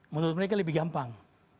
menurut mereka lebih gampang